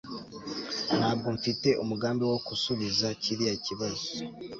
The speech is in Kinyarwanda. Ntabwo mfite umugambi wo gusubiza kiriya kibazo